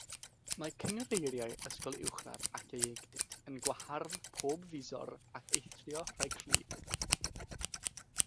Mae cynghreiriau ysgol uwchradd ac ieuenctid yn gwahardd pob fisor ac eithrio rhai clir.